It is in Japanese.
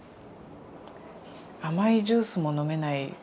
甘いジュースも飲めない。